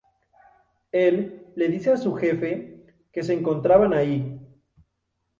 El le dice a su "jefe" que se encontraban ahí.